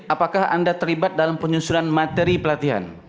apakah anda terlibat dalam penyusunan materi pelatihan